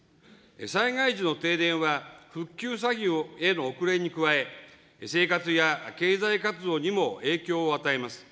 災害時の停電は、復旧作業への遅れに加え、生活や経済活動にも影響を与えます。